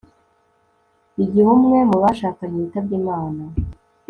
igihe umwe mu bashakanye yitabye imana